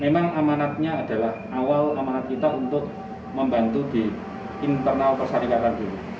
memang amanatnya adalah awal amanat kita untuk membantu di internal persyarikatan dulu